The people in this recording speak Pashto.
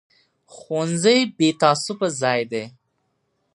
ښوونځی بې تعصبه ځای دی